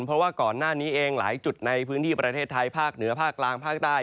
เพราะว่าก่อนหน้านี้เองหลายจุดในพื้นที่ประเทศไทยภาคเหนือภาคกลางภาคใต้